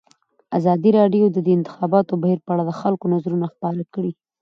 ازادي راډیو د د انتخاباتو بهیر په اړه د خلکو نظرونه خپاره کړي.